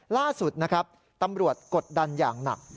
ล่าสุดนะครับตำรวจกดดันอย่างหนัก